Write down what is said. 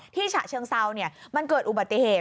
ฉะเชิงเซามันเกิดอุบัติเหตุ